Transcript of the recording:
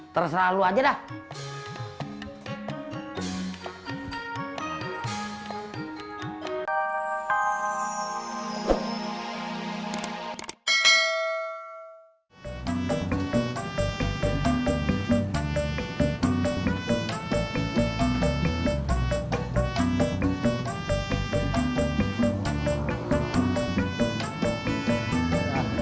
terus lalu aja dah